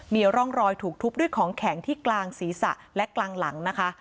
มีร่องรอยถูกทุบด้วยของแข็งที่กลางศีรษะและกลางหลังนะคะ